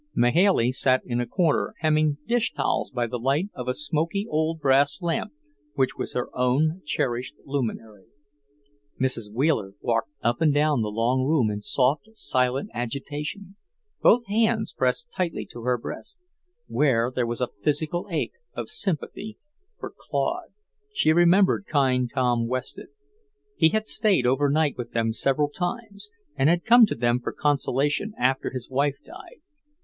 Mahailey sat in a corner, hemming dish towels by the light of a smoky old brass lamp which was her own cherished luminary. Mrs. Wheeler walked up and down the long room in soft, silent agitation, both hands pressed tightly to her breast, where there was a physical ache of sympathy for Claude. She remembered kind Tom Wested. He had stayed over night with them several times, and had come to them for consolation after his wife died.